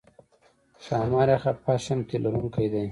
ښامار یا خفاش هم تی لرونکی دی